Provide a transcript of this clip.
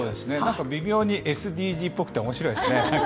微妙にＳＤＧｓっぽくて面白いですね。